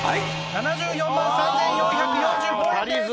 ７４万３，４４５円です。